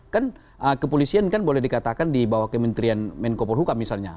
kan kepolisian kan boleh dikatakan di bawah kementerian menko polhukam misalnya